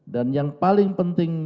dan yang paling penting